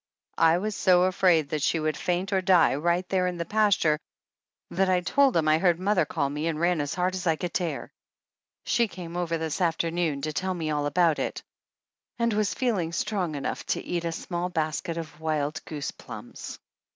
I was so afraid that she would faint or die right there in the pasture that I told them I heard mother calling me and ran as hard as I could tear. She came over this afternoon to tell me all about it and was feeling strong enough to eat a small basket of wild goose plums.